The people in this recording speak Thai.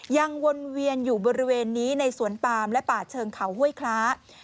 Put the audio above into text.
วนเวียนอยู่บริเวณนี้ในสวนปามและป่าเชิงเขาห้วยคล้า